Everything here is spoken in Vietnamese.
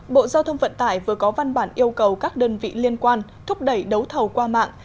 bộ giao thông vận tải vừa có văn bản yêu cầu các đơn vị liên quan thúc đẩy đấu thầu qua mạng